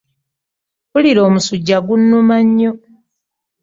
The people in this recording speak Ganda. Mpulira omusujja gunnuma nnyo.